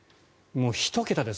１桁です。